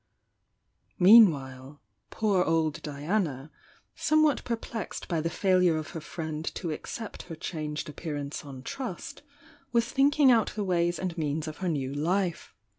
Meanwhile "poor old Diana," somewhat perplexed by the failure of her friend to accept her changed appearance on trust, was thinking out the ways and means of her new Ufe.